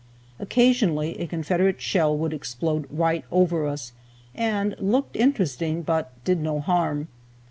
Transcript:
Occasionally a Confederate shell would explode right over us, and looked interesting, but did no harm.